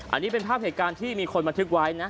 อันนี้เป็นภาพเหตุการณ์ที่มีคนบันทึกไว้นะ